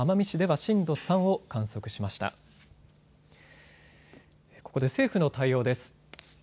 ここで政府の対応です。